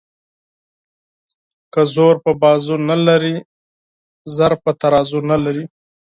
ـ که زور په بازو نه لري زر په ترازو نه لري.